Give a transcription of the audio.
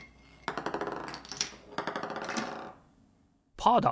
パーだ！